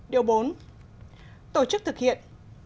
điều bốn tổ chức thực hiện